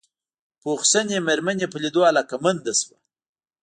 پوخ سنې مېرمن يې په ليدو علاقه منده شوه.